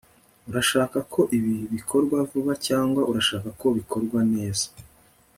urashaka ko ibi bikorwa vuba cyangwa urashaka ko bikorwa neza